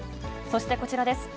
そしてこちらです。